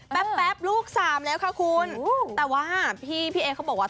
แต่ว่าพี่เอะเค้าบอกว่า